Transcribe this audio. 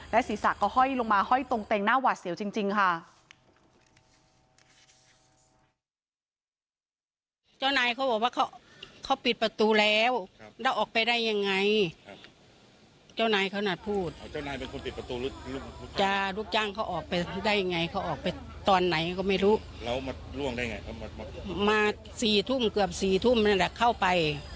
ศีรษะก็ห้อยลงมาห้อยตรงเต็งหน้าหวาดเสียวจริงค่ะ